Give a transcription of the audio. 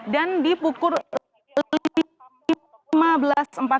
dan di pukul lima belas empat puluh sembilan